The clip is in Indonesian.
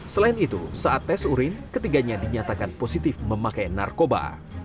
selain itu saat tes urin ketiganya dinyatakan positif memakai narkoba